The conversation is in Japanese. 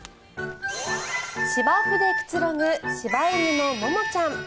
芝生でくつろぐ柴犬のももちゃん。